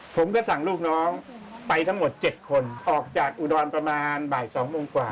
ผมก็สั่งลูกน้องไปทั้งหมด๗คนออกจากอุดรประมาณบ่าย๒โมงกว่า